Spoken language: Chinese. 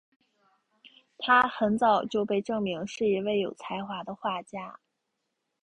她很早就被证明是一位有才华的画家。